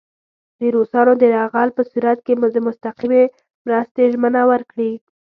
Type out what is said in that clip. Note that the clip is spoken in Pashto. د روسانو د یرغل په صورت کې د مستقیمې مرستې ژمنه ورکړي.